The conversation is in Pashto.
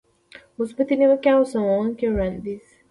مثبتې نيوکې او سموونکی وړاندیز.